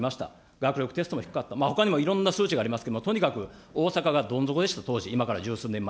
学力テストも低かった、ほかにもいろんな数値がありますけれども、とにかく大阪がどん底でした、当時、今から十数年前。